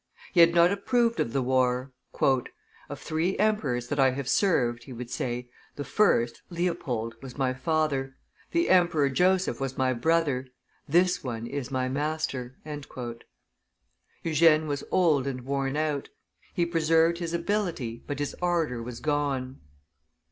He had not approved of the war. "Of three emperors that I have served," he would say, "the first, Leopold, was my father; the Emperor Joseph was my brother; this one is my master." Eugene was old and worn out; he preserved his ability, but his ardor was gone.